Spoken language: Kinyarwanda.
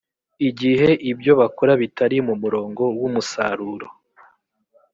igihe ibyo bakora bitari mu murongo w’umusaruro